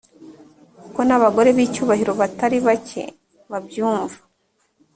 uko n’abagore b’icyubahiro batari bake babyumva